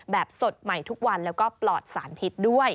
แบบสดใหม่ทุกวันแล้วก็ปลอดสารพิษด้วย